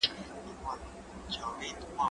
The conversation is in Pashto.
زه کولای سم پلان جوړ کړم،